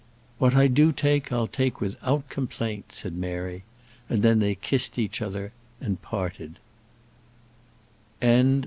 "What I do take, I'll take without complaint," said Mary; and then they kissed each other and parted.